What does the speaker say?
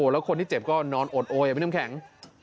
แล้วคนที่เจ็บก็นอนโอดโอยพี่น้ำแข็ง